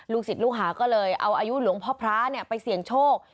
ศิษย์ลูกหาก็เลยเอาอายุหลวงพ่อพระไปเสี่ยงโชค